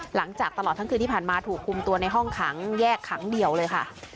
หลังจากตลอดทั้งคืนที่ผ่านมาถูกคุมตัวในห้องขังแยกขังเดี่ยวเลยค่ะ